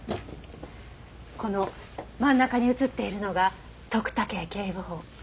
この真ん中に写っているのが徳武警部補。